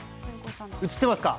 映ってますか？